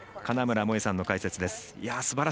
金村萌絵さんの解説です。